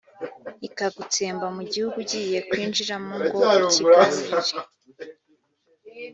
ikagutsemba mu gihugu ugiye kwinjiramo ngo ukigarurire.